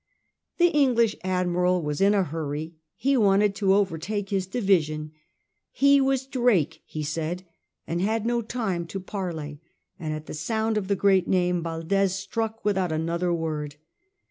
The English Admiral was in a hurry ; he wanted to overtake his division; he was Drake, he said, and had no time to parley ; and at the sound of the great name Valdes struck without another word.